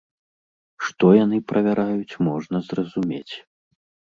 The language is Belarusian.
Што яны правяраюць, можна зразумець.